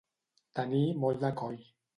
Tenir molt de coll.